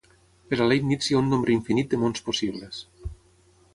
Per a Leibniz hi ha un nombre infinit de mons possibles.